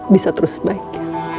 bisa terus baik